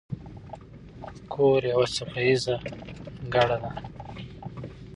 کور یوه څپه ایزه ګړه ده.